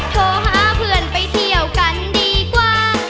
โทรหาเพื่อนไปเที่ยวกันดีกว่า